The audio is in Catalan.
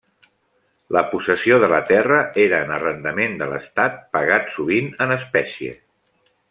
La possessió de la terra era en arrendament de l'estat pagat sovint en espècie.